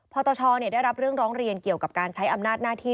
ตชได้รับเรื่องร้องเรียนเกี่ยวกับการใช้อำนาจหน้าที่